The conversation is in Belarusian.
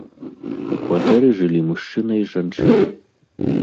У кватэры жылі мужчына і жанчына.